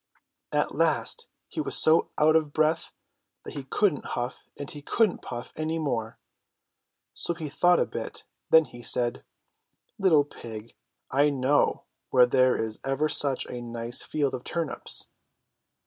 At last he was so out of breath that he couldn't huff and he couldn't puff any more. So he thought a bit. Then he said : "Little pig! I know where there is ever such a nice field of turnips.'